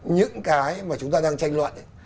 những cái mà chúng ta đang tranh luận